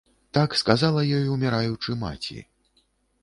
Так сказала ёй, уміраючы, маці.